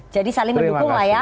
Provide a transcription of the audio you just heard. jadi saling mendukung lah ya